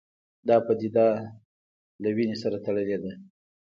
دا پدیده له وینې سره تړلې ده